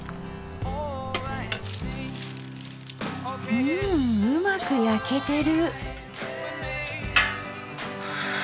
うんうまく焼けてる。